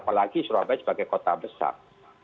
apalagi surabaya sebagai kota besar